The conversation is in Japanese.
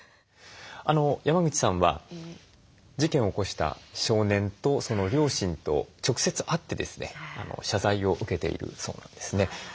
山口さんは事件を起こした少年とその両親と直接会ってですね謝罪を受けているそうなんですね。